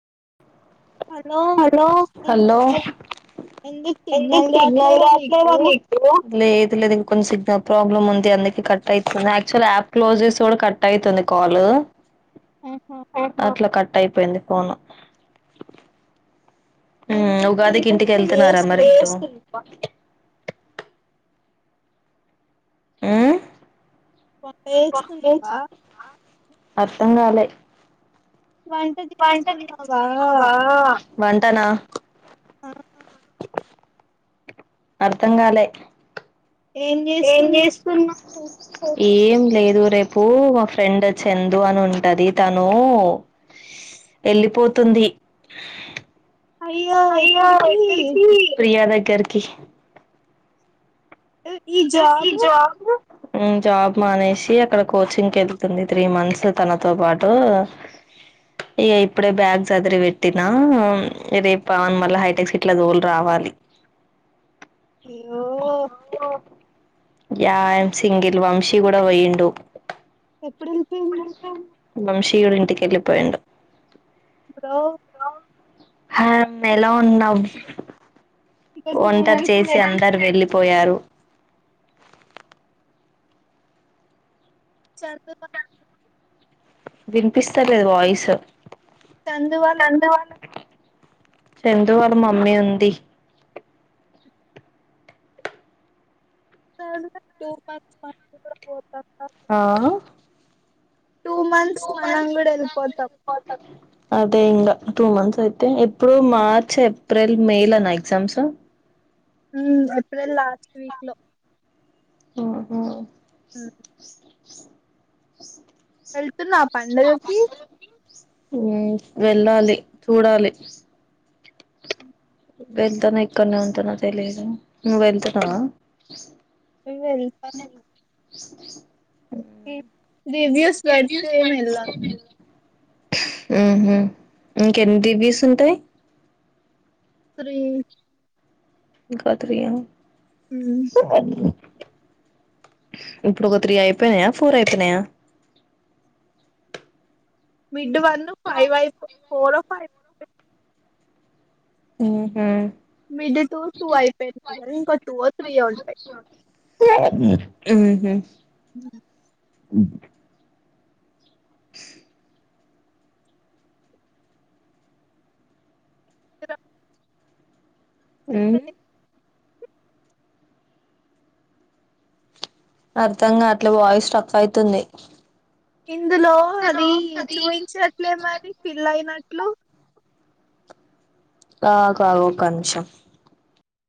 Hello hello ఏంటి signal రావట్లేదా మీకు లేదు లేదు ఇంక కొం సిగ్నల్ ప్రాబ్లమ్ ఉంది అందుక కట్ అవుతుంది యాక్చువల్ యాప్ క్లోజెస్ కూడా కట్ అవుతుంది కాల్ అట్లా కట్ టైపోయింది పోను హుమ్ ఉగాదికి ఇంటికి వెళ్తున్నారా మరి హూ వంట చేస్తున్నవా అర్థం కాలే వంట చేస్కున్నవా వంటనా ఆ అర్ధంకాలే ఏం చేస్తున్నా వు ఏం లేదు రేపు మా ఫ్రెండ్ చందు అని ఉంటది తను ఎళ్ళిపోతుంది అయ్యో ఎక్కడకి తర్కి ఈ జాబు జాబ్ మానేసి అక్కడ కోచింగ్కి వెళ్తుంది త్రీ మంత్స్ తనతో పాటు ఇక ఇప్పుడే బ్యాగ్ చదిరి పెట్టినా రేపు పావన్ మళ్ళ హైటెక్ ఇట్లా దోలు రావాలి ఈయో యా ఆమ్ సింగిల్ వంశీ గూడా పోయిండు ఎప్పుడూ ఎల్లిపోయిండ్ వంశీ వాళ్ళ ఇంటికి వెళ్ళిపోయిండ్ హలో హ మ్ ఎలా ఉన్నావ్ ఒంటరి చేసి అందరు వెళ్ళి పోయారు చందువ వినిపిస్త లేదు వాయిస్ చందువాళ్ళ చందు వాళ్ళ మమ్మీ ఉంది. [inaudible] టూ పార్క్స్ [inaudible] [inaudible] పోదు ఆ టూ మంత్స్ మనం కూడా ఎళ్ళిపోతం అదే ఇంగా టూ మంత్స్ అయితే ఎప్పుడు మార్చ్, ఏప్రిల్, మేలోన ఎగ్జామ్స్ హ్మ్ ఏప్రిల్ లాస్ట్ వీక్ లో హుమ్ ఆ వెళ్తున్నాం పండగకి ఎ వెళ్ళాలి చూడాలి వెళ్తన ఇక్కన్నే ఉంటనా తెలీదు. నువ్వు వెళ్తున్నావ రివ్యూస్ పెడితే ఏం ఎల్లా ఆహా ఇంకెన్ని రి వ్యూస్ ఉంటయి సరే కాదురియా సాయంత్రం ఇప్పుడు ఒక త్రీ అయిపోయినాయా, ఫోర్ అయిపోయినాయా మిడ్ వన్ ఫైవ్ అయిపో ఫోరో ఫైవ్ హుహుమ్ మిడ్ టూ టూ అయిపోయినాయి కదా ఇంకా టూ ఓ త్రీ ఓ ఉంటయి. ఉ హుహ్ హుహ్ [unintelligible] హ్మ్ అర్థంగాట్లే వాయిస్ స్ట్రక్ అయితుంది. ఇందులో అది చూయించట్లే మరి ఫిల్ అయినట్ హలో ఆ ఆగు ఆగు ఒక్కనిమిషం